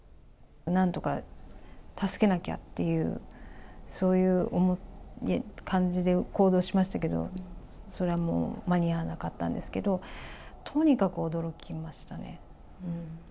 なんとか助けなきゃっていう、そういう感じで行動しましたけど、それはもう間に合わなかったんですけど、とにかく驚きましたね。